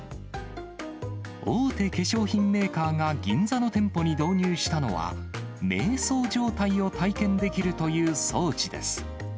大手化粧品メーカーが銀座の店舗に導入したのは、めい想状態を体験できるという装置です。